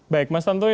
baik mas tantowi